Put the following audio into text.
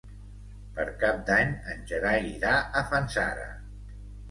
Per Cap d'Any en Gerai irà a Fanzara.